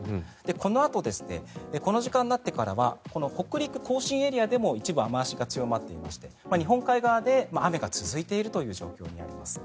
このあとこの時間になってからはこの北陸・甲信エリアでも一部、雨脚が強まっていまして日本海側で雨が続いているという状況になります。